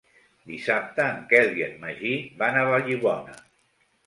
Dissabte en Quel i en Magí van a Vallibona.